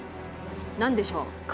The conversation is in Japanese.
何でしょう？